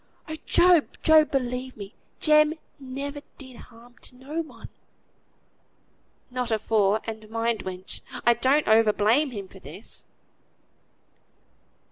Oh! Job, Job; believe me, Jem never did harm to no one." "Not afore; and mind, wench! I don't over blame him for this."